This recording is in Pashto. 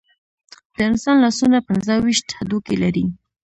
د انسان لاسونه پنځه ویشت هډوکي لري.